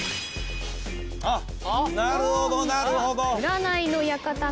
あっなるほどなるほど。